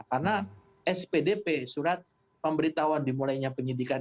karena spdp surat pemberitahuan dimulainya penyidikan